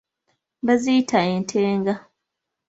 Baziyita entenga.